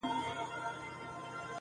اردلیانو خبراوه له هر آفته٫